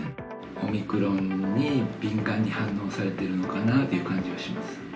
オミクロンに敏感に反応されているのかなという感じはします。